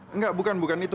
enggak bukan bukan itu